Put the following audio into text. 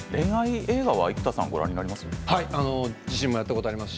映画は生田さんもご覧になりますか？